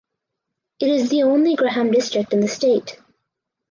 It is the only Graham District in the state.